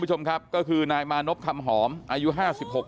พี่บูรำนี้ลงมาแล้ว